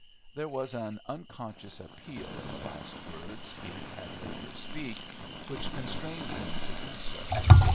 There was an unconscious appeal in the last words he had heard her speak which constrained him to do so.